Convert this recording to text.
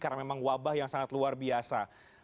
karena memang wabah yang sangat luar biasa